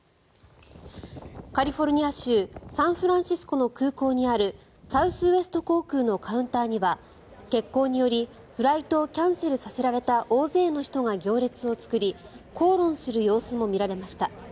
カリフォルニア州サンフランシスコの空港にあるサウスウエスト航空のカウンターには欠航によりフライトをキャンセルさせられた大勢の人が行列を作り口論する様子も見られました。